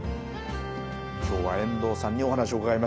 今日は遠藤さんにお話を伺いました。